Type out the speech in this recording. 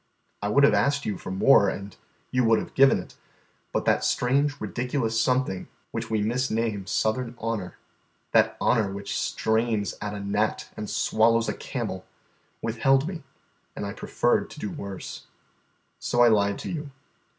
I would have asked you for more, and you would have given it; but that strange, ridiculous something which we misname Southern honour, that honour which strains at a gnat and swallows a camel, withheld me, and I preferred to do worse. So I lied to you.